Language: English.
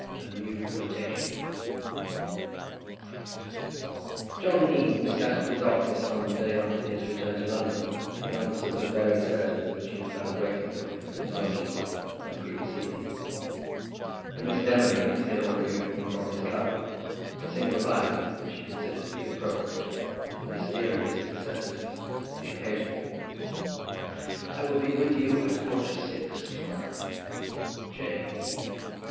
A NEW FLIRTATION. John Eames sat at his office on the day after his return to London, and answered the various letters which he had found waiting for him at his lodgings on the previous evening. To Miss Demolines he had already written from his club, a single line, which he considered to be appropriate to the mysterious necessities of the occasion. "I will be with you at a quarter to six to morrow. J. E.